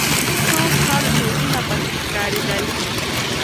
څو خړ نوټونه پکې ښکارېدل.